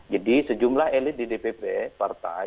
jadi sejumlah elit di dpp partai